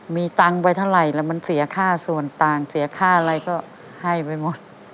มีตังค์ไปเท่าไหร่แล้วมันเสียค่าส่วนต่างเสียค่าอะไรก็ให้ไปหมด